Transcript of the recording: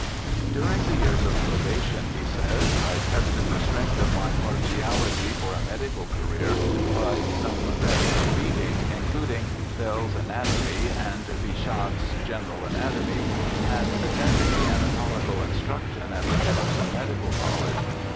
' During the years of probation,' he says, ' I tested the strength of my partiality for a medical career by some medical reading, including Bell's Aitatomy and Bichat's General Anatomy, and attending the anatomical instruction at the Jefferson Medical College.